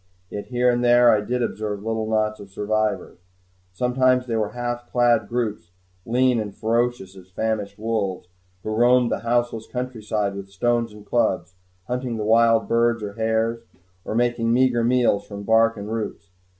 Yet here and there I did observe little knots of survivors. Sometimes they were half clad groups, lean and ferocious as famished wolves, who roamed the houseless countryside with stones and clubs, hunting the wild birds and hares, or making meager meals from bark and roots.